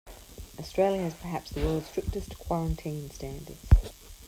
Australia has perhaps the world's strictest quarantine standards.